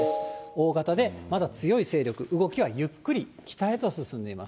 大型でまだ強い勢力、動きはゆっくり北へと進んでいます。